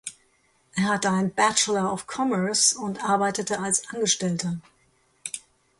Er hat einen Bachelor of Commerce und arbeitete als Angestellter.